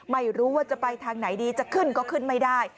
ไม่รู้ว่าจะไปทางไหนดีจะขึ้นก็ขึ้นไม่ได้